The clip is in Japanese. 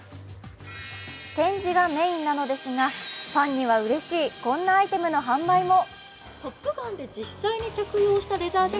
展示がメーンなのですがファンにはうれしいこんなアイテムの販売も。